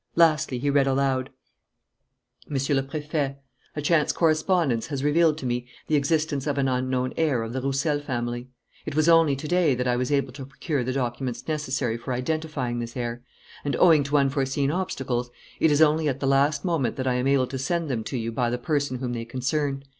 Lastly, he read aloud: "MONSIEUR LE PRÉFET: "A chance correspondence has revealed to me the existence of an unknown heir of the Roussel family. It was only to day that I was able to procure the documents necessary for identifying this heir; and, owing to unforeseen obstacles, it is only at the last moment that I am able to send them to you by the person whom they concern.